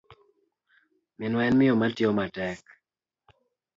Minwa en miyo matiyo matek.